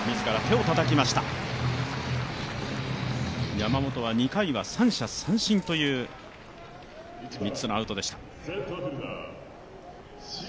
山本は２回は三者三振という３つのアウトでした。